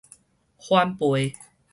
反背